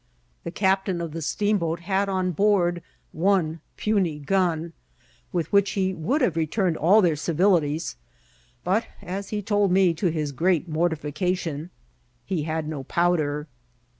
The cap tain of the steamboat had on board one puny gun, with which he would have returned all their civilities ; but, as he told me, to his great mortification, he had no powder.